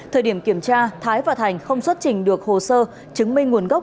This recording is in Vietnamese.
thời điểm kiểm tra thái và thành không xuất trình được hồ sơ chứng minh nguồn gốc